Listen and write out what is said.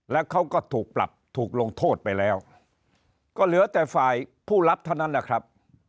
แล้วเขาก็ถูกปรับถูกลงโทษไปแล้วก็เหลือแต่ฝ่ายผู้รับเท่านั้นแหละครับ